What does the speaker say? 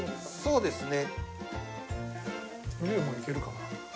そうですね。